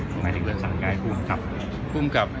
ท่านในนิวเมืองสั่งย้ายภูมิครับ